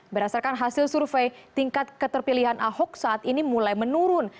berdasarkan hasil survei tingkat keterpilihan ahok saat ini mulai menurun